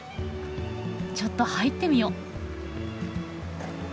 ちょっと入ってみよう。